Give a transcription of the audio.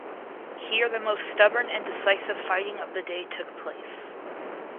Here the most stubborn and decisive fighting of the day took place.